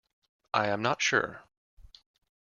I am not sure.